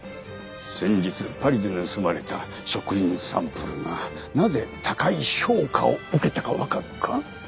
先日パリで盗まれた食品サンプルがなぜ高い評価を受けたかわかるか？